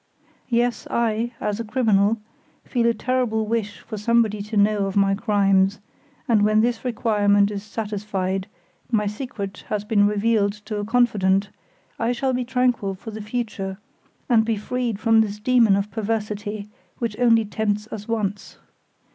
Yes, I, a criminal, feel a terrible wish for somebody to know of my crimes, and when this requirement is satisfied, my secret has been revealed to a confidant, I shall be tranquil for the future, and be freed from this demon of perversity, which only tempts us once.